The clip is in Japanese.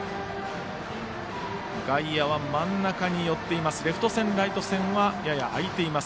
外野は真ん中に寄っています。